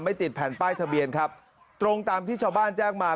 ติดแผ่นป้ายทะเบียนครับตรงตามที่ชาวบ้านแจ้งมา